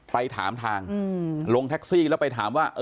ไปถามทางลงแท็กซี่แล้วไปถามว่า